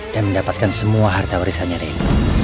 dan mendapatkan semua harta warisannya ren